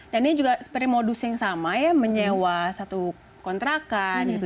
dan ini juga seperti modus yang sama ya menyewa satu kontrakan gitu